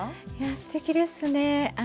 すてきですね。